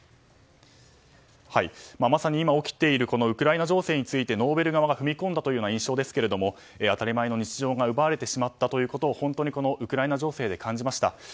まさに今起きているウクライナ情勢についてノーベル側が踏み込んだ印象ですが当たり前の日常が奪われてしまったことを本当にこのウクライナ情勢で感じました。